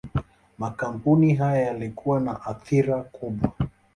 Makampuni haya yalikuwa na athira kubwa.